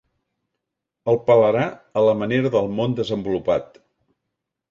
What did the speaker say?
El pelarà a la manera del món desenvolupat.